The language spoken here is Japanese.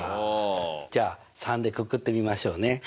じゃあ３でくくってみましょうね。